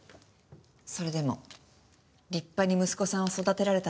それでも立派に息子さんを育てられたんですね。